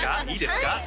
いいですか？